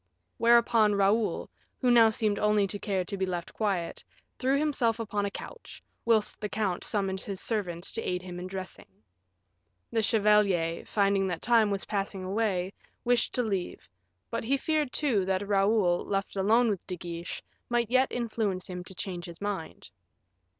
Whereupon Raoul, who now seemed only to care to be left quiet, threw himself upon a couch, whilst the count summoned his servants to aid him in dressing. The chevalier, finding that time was passing away, wished to leave; but he feared, too, that Raoul, left alone with De Guiche, might yet influence him to change his mind.